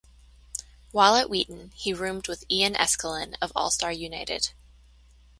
While at Wheaton, he roomed with Ian Eskelin of All Star United.